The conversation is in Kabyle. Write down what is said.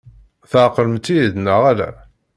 Tɛeqlemt-iyi-d neɣ ala?